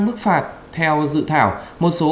mức phạt theo dự thảo một số